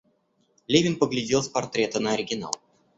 Левин поглядел с портрета на оригинал.